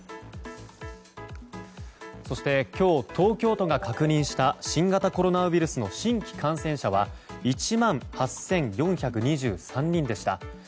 そして、今日、東京都が確認した新型コロナウイルスの新規感染者は１万８４２３人でした。